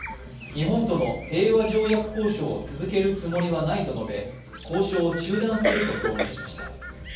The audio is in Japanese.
日本との平和条約交渉を続けるつもりはないと述べ、交渉を中断すると表明しました。